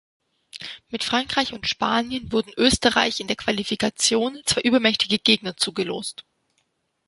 Mit Frankreich und Spanien wurden Österreich in der Qualifikation zwei übermächtige Gegner zugelost.